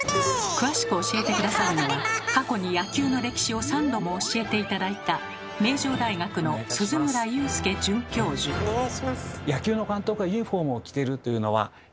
詳しく教えて下さるのは過去に野球の歴史を３度も教えて頂いたはい。